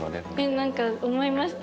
なんか思いました。